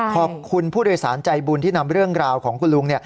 ขอบคุณผู้โดยสารใจบุญที่นำเรื่องราวของคุณลุง